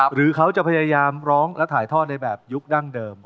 หรือเขาจะพยายามร้องและถ่ายทอดในแบบยุคดั้งเดิม